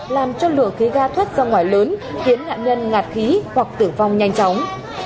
làm cho lửa khí ga thoát ra ngoài lớn khiến nạn nhân ngạt khí hoặc tử vong nhanh chóng